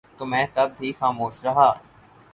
تو میں تب بھی خاموش رہا